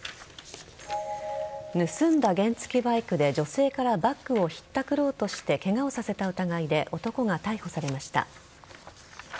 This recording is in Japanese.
盗んだ原付バイクで女性からバッグをひったくろうとしてケガをさせた疑いで男が逮捕されました。